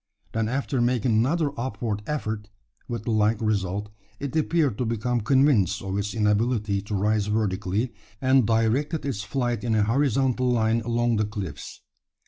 Then after making another upward effort, with the like result, it appeared to become convinced of its inability to rise vertically, and directed its flight in a horizontal line along the cliffs.